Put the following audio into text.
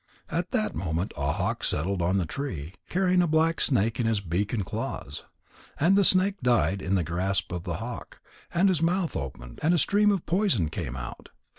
At that moment a hawk settled on the tree, carrying a black snake in his beak and claws. And the snake died in the grasp of the hawk, and his mouth opened, and a stream of poison came out.